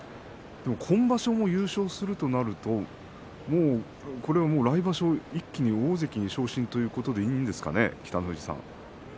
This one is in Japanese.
今場所優勝するとなるとこれは来場所、一気に大関に昇進ということでいいんでしょうかね、北の富士さん。